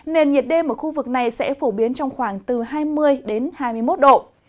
nền nhiệt đêm ở khu vực này sẽ phổ biến trong khoảng từ hai mươi hai mươi một độ